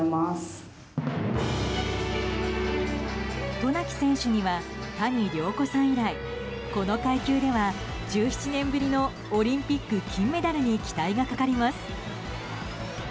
渡名喜選手には谷亮子さん以来この階級では１７年ぶりのオリンピック金メダルに期待がかかります。